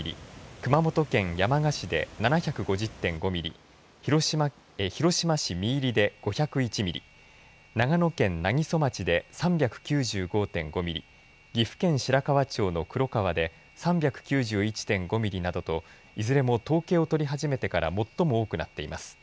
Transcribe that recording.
熊本県山鹿市で７５０．５ミリ広島市三入５０１ミリ長野県南木曽町で３９５．５ミリ岐阜県白川町の黒川で３９１．５ミリなどといずれも統計を取り始めてから最も多くなっています。